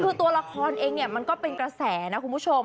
คือตัวละครเองเนี่ยมันก็เป็นกระแสนะคุณผู้ชม